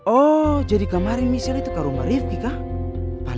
oh jadi kemarin michelle itu ke rumah rifki kak